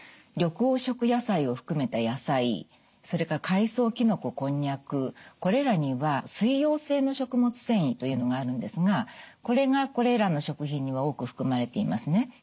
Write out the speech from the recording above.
緑黄色野菜を含めた野菜それから海藻きのここんにゃくこれらには水溶性の食物繊維というのがあるんですがこれがこれらの食品には多く含まれていますね。